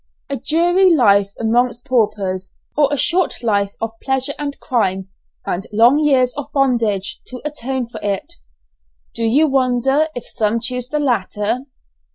A dreary life amongst paupers, or a short life of pleasure and crime, and long years of bondage to atone for it. Do you wonder if some choose the latter?...